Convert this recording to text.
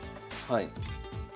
はい。